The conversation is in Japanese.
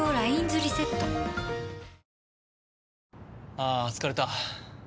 あ疲れた。